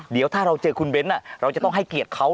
เดี๋ยวถ้าเราเจอคุณเบ้นเราจะต้องให้เกียรติเขา